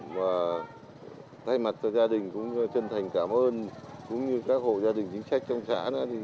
và thay mặt cho gia đình cũng chân thành cảm ơn cũng như các hộ gia đình chính sách trong xã